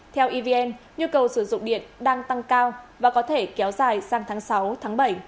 theo evn nhu cầu sử dụng điện đang tăng cao và có thể kéo dài sang tháng sáu tháng bảy